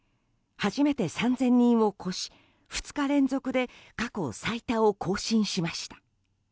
初めて３０００人を超し２日連続で過去最多を更新しました。